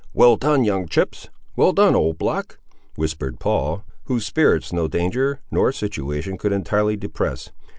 "Well done, young chips! well done, old block!" whispered Paul, whose spirits no danger nor situation could entirely depress.